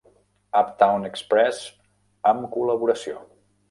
Uptown Express amb col·laboració.